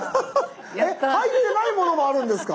えっ入ってないものもあるんですか？